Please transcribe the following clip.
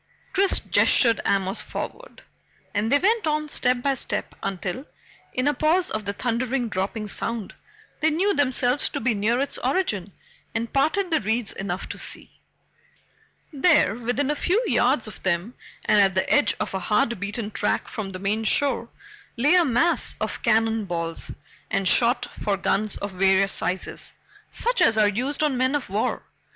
Chris gestured Amos forward, and they went on step by step until, in a pause of the thundering dropping sound, they knew themselves to be near its origin and parted the reeds enough to see. There, within a few yards of them and at the edge of a hard beaten track from the main shore, lay a mass of cannon balls and shot for guns of various sizes, such as are used on men of war.